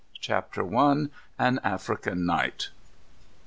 ] CHAPTER I. AN AFRICAN NIGHT.